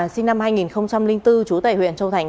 sinh năm hai nghìn bốn chú tài huyện châu thành